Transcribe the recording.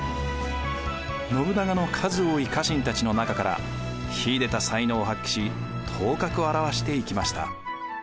信長の数多い家臣たちの中から秀でた才能を発揮し頭角を現していきました。